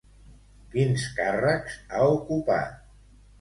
Quins càrrecs ha ocupat?